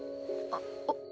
あっ！